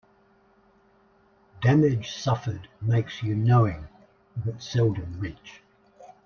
Damage suffered makes you knowing, but seldom rich.